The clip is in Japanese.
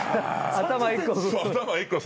頭１個分。